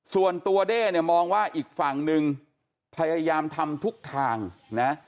ส่วนตัวเด้เนี่ยมองว่าอีกฝั่งนึงพยายามทำทุกทางนะ